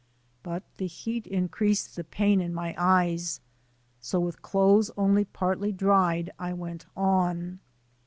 But the beat increased the pain in my eyes, so with clothes only partly dried, I went on.